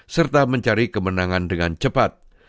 serta mencari kemenangan dengan cepat